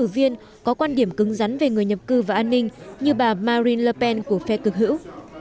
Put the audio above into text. các cử viên có quan điểm cứng rắn về người nhập cư và an ninh như bà marine le pen của phe cực hữu